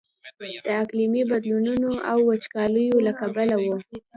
د اقلیمي بدلونونو او وچکاليو له کبله و.